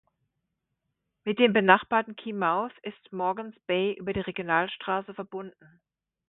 Mit dem benachbarten Kei Mouth ist Morgan’s Bay über die Regionalstraße verbunden.